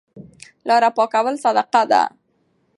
لاره پاکول صدقه ده.